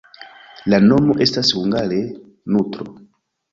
La nomo estas hungare: nutro.